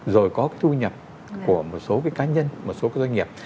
rồi có cái thu nhập của một số cái cá nhân một số cái doanh nghiệp